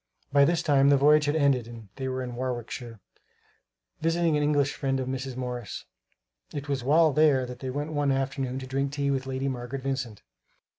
By this time the voyage had ended and they were in Warwickshire, visiting an English friend of Mrs. Morris. It was while there that they went one afternoon to drink tea with Lady Margaret Vincent.